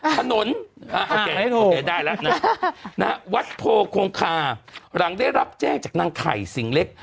ถนนโอเคได้แล้วนะวัดโพคงคาหลังได้รับแจ้งจากนางไข่สิงเล็ก